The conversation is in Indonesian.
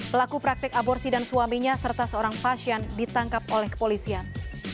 pelaku praktek aborsi dan suaminya serta seorang pasien ditangkap oleh kepolisian